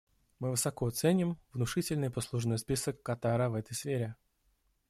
Мы высоко ценим внушительный послужной список Катара в этой сфере.